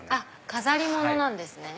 飾り物なんですね。